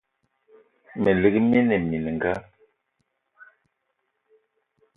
Me lik mina mininga